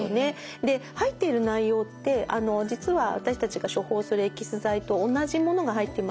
で入っている内容って実は私たちが処方するエキス剤と同じものが入っています。